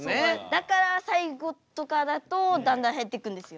だから最後とかだとだんだん減ってくるんですよ。